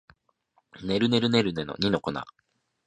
ねるねるねるねの二の粉